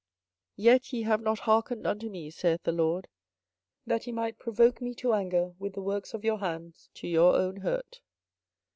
24:025:007 Yet ye have not hearkened unto me, saith the LORD; that ye might provoke me to anger with the works of your hands to your own hurt.